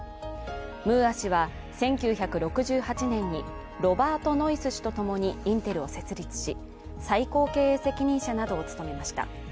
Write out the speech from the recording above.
ムーア氏は１９６８年にロバート・ノイス氏とともにインテルを設立し、最高経営責任者などを務めました。